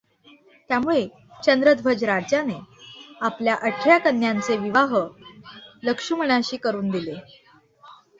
त्यामुळे चंद्रध्वज राजाने आपल्या अठरा कन्यांचे विवाह लक्ष्मणाशी करून दिले.